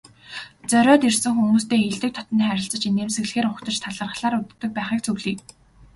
Зориод ирсэн хүмүүстэй эелдэг дотно харилцаж, инээмсэглэлээр угтаж, талархлаар үддэг байхыг зөвлөе.